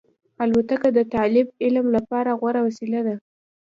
الوتکه د طالب علم لپاره غوره وسیله ده.